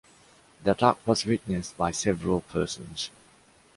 The attack was witnessed by several persons.